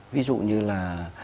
ví dụ như là